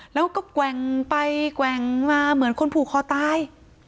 แล้วก็แกว่งไปแกว่งมาเหมือนคนผูกคอตาย